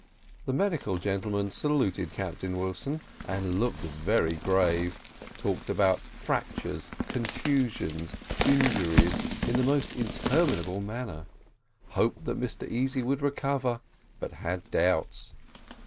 The medical gentlemen saluted Captain Wilson, and looked very grave, talked about fractures, contusions, injuries, in the most interminable manner hoped that Mr Easy would recover but had doubts.